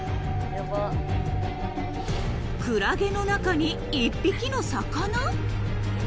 ［クラゲの中に１匹の魚？］